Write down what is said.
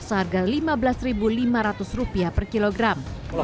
seharga rp lima belas lima ratus per kilogram